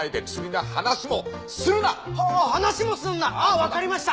はぁ話もするなああわかりました